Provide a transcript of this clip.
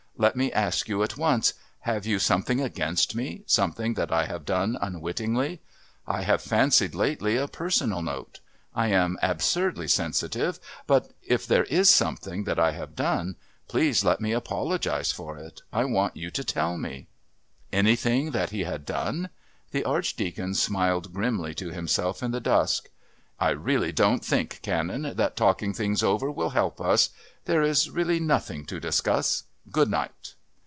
Let me ask you at once, Have you something against me, something that I have done unwittingly? I have fancied lately a personal note.... I am absurdly sensitive, but if there is anything that I have done, please let me apologise for it. I want you to tell me." Anything that he had done? The Archdeacon smiled grimly to himself in the dusk. "I really don't think, Canon, that talking things over will help us. There is really nothing to discuss.... Good night."